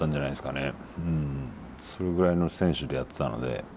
それぐらいの選手でやってたので。